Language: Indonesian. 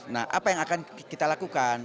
nah apa yang akan kita lakukan